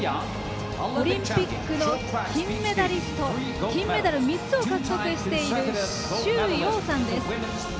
オリンピックの金メダリスト金メダル３つを獲得している周洋さんです。